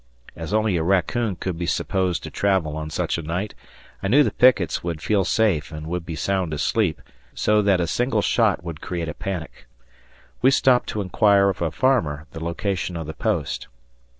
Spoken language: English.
As only a raccoon could be supposed to travel on such a night, I knew the pickets would feel safe and would be sound asleep, so that a single shot would create a panic. We stopped to inquire of a farmer the location of the post.